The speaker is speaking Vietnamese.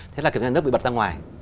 thế là kiểm toán nhà nước bị bật ra ngoài